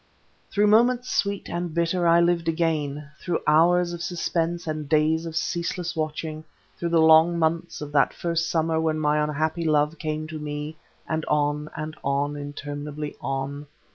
Through moments sweet and bitter I lived again, through hours of suspense and days of ceaseless watching; through the long months of that first summer when my unhappy love came to me, and on, on, interminably on.